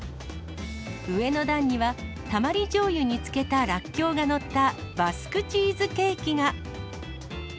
上の段には、たまりじょうゆに漬けたらっきょうが載ったバスクチーズケーキが。